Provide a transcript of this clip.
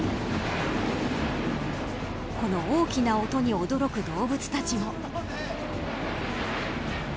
この大きな音に驚く動物たちも。